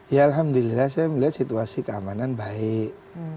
ya alhamdulillah saya melihat situasi keamanan baik